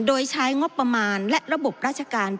โดยใช้งบประมาณและระบบราชการ